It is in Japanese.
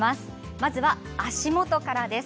まずは足元からです。